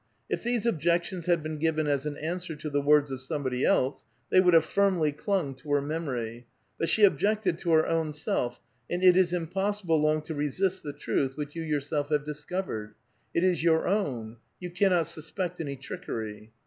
If these objections had been given as an answer to the words of somebody else, they would have firmly clung to her memor}'. But she objected to her own self, and it is impos sible long to resist the truth which you yourself havfe dis covered. It is your own ; you cannot suspect any trickery.